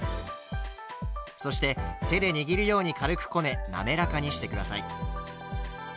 そして手で握るように軽くこね滑らかにして下さい。